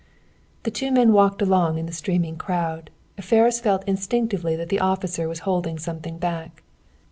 The two men walked along in the streaming crowd. Ferris felt instinctively that the officer was holding something back.